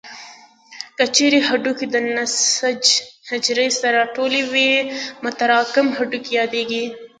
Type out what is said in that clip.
که چیرې هډوکو د نسج حجرې سره ټولې وي متراکم هډوکي یادېږي.